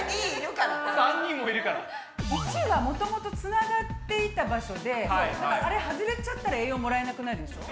①はもともとつながっていた場所であれ外れちゃったら栄養もらえなくなるでしょう。